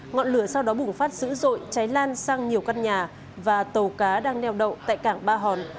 ngọn lửa sau đó bùng phát dữ dội cháy lan sang nhiều căn nhà và tàu cá đang neo đậu tại cảng ba hòn